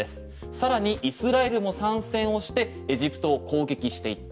さらにイスラエルも参戦をしてエジプトを攻撃していった